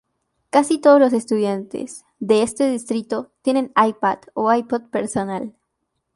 Casi todos los estudiantes de este distrito tienen iPad o iPod personal.